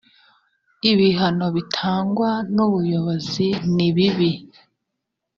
ibihano bitangwa n ubuyobozi nibibi